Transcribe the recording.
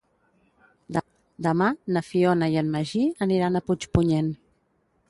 Demà na Fiona i en Magí aniran a Puigpunyent.